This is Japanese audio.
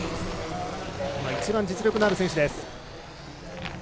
一番実力のある選手です。